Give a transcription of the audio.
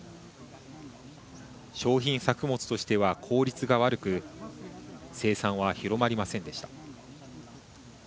商品作物としては効率が悪く生産は広まりませんでした。